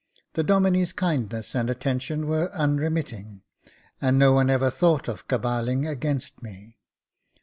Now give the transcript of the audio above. The Domine's kindness and attention were unremitting, and no one ever thought of caballing against me.